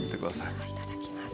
ではいただきます。